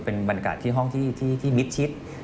เป็นบรรยากาศที่ห้องที่มิดชิด